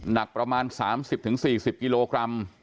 หนักประมาณ๓๐๔๐กิโลกรัม